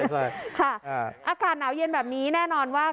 ใช่ค่ะอากาศหนาวเย็นแบบนี้แน่นอนว่า